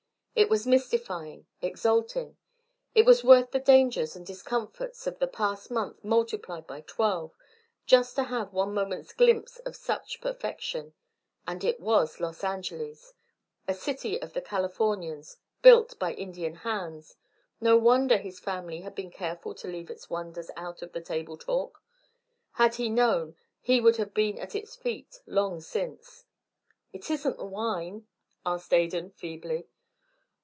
It was mystifying, exalting. It was worth the dangers and discomforts of the past month multiplied by twelve, just to have one moment's glimpse of such perfection. And it was Los Angeles! A city of the Californias, built by Indian hands! No wonder his family had been careful to leave its wonders out of the table talk; had he known, he would have been at its feet long since. "It isn't the wine?" asked Adan, feebly.